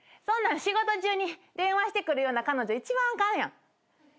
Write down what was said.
そんなん仕事中に電話してくるような彼女一番あかんやん。